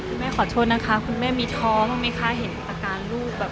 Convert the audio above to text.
คุณแม่ขอโทษนะคะคุณแม่มีท้อไม่มีค่าเห็นอาการรูป